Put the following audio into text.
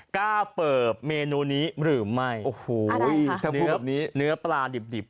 กล้าเปิดเมนูนี้หรือไม่โอ้โหแบบนี้เนื้อปลาดิบดิบ